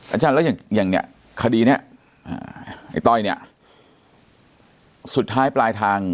อาจารย์แล้วอย่างอย่างเนี่ยคดีเนี้ยอ่าไอ้ต้อยเนี่ยสุดท้ายปลายทาง